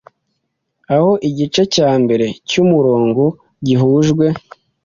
aho igice cya mbere cyumurongo gihujwe